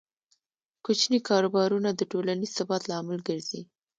کوچني کاروبارونه د ټولنیز ثبات لامل ګرځي.